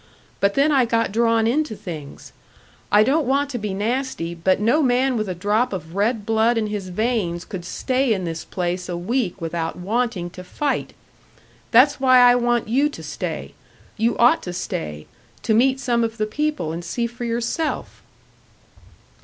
But then I got drawn into things. I don't want to be nasty, but no man with a drop of red blood in his veins could stay in this place a week without wanting to fight! That's why I want you to stay you ought to stay, to meet some of the people and see for yourself."